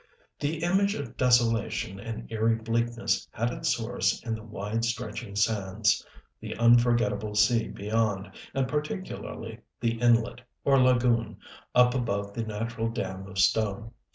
The image of desolation and eery bleakness had its source in the wide stretching sands, the unforgettable sea beyond, and particularly the inlet, or lagoon, up above the natural dam of stone.